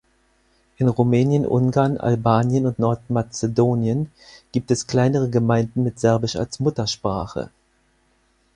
In Rumänien, Ungarn, Albanien und Nordmazedonien gibt es kleinere Gemeinden mit Serbisch als Muttersprache.